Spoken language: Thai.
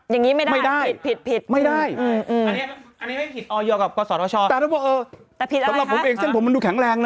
อย่างนี้ไม่ได้ผิดไม่ได้อันนี้ไม่ผิดแต่ว่าเออสำหรับผมเองเส้นผมมันดูแข็งแรงเนอะ